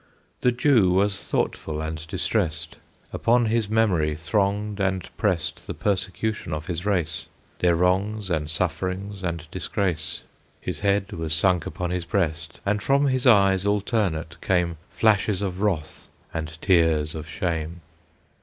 The Jew was thoughtful and distressed; Upon his memory thronged and pressed The persecution of his race, Their wrongs and sufferings and disgrace; His head was sunk upon his breast, And from his eyes alternate came Flashes of wrath and tears of shame.